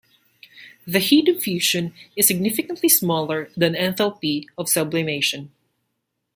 The heat of fusion is significantly smaller than enthalpy of sublimation.